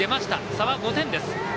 差は５点です。